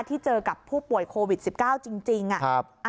ที่เจอกับผู้ป่วยโควิด๑๙จริง